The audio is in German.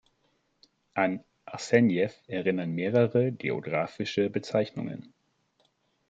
An Arsenjew erinnern mehrere geographische Bezeichnungen.